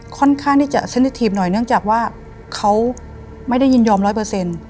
ค่อนข้างที่จะสนิททีฟหน่อยเนื่องจากว่าเขาไม่ได้ยินยอมร้อยเปอร์เซ็นต์